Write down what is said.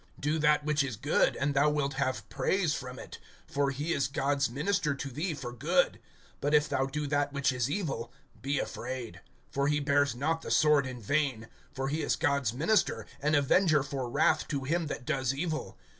Do that which is good, and thou wilt have praise from it; (4)for he is God's minister to thee for good. But if thou do that which is evil, be afraid; for he bears not the sword in vain; for he is God's minister, an avenger for wrath to him that does evil.